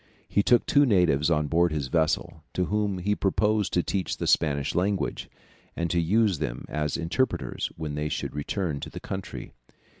He took two natives on board his vessel, to whom he proposed to teach the Spanish language, and to use them as interpreters when he should return to the country.